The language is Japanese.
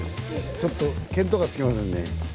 ちょっと見当がつきませんね。